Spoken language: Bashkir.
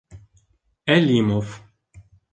— Әлимов.